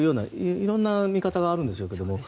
いろんな見方があるんでしょうけれども。